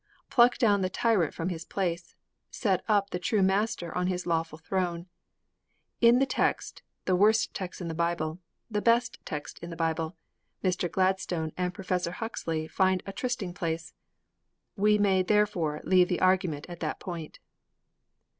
Pluck down the tyrant from his place; set up the true Master on His lawful throne.' In the text the worst text in the Bible; the best text in the Bible Mr. Gladstone and Professor Huxley find a trysting place. We may therefore leave the argument at that point.